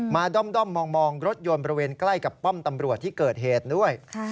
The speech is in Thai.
ด้อมมองรถยนต์บริเวณใกล้กับป้อมตำรวจที่เกิดเหตุด้วย